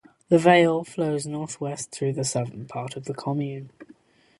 The Veyle flows northwest through the southern part of the commune.